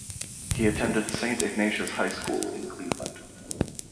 He attended Saint Ignatius High School in Cleveland.